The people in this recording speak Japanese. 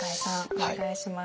お願いします。